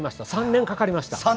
３年かかりました。